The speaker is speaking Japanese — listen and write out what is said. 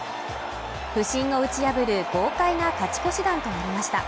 不振をうち破る豪快な勝ち越し弾となりました。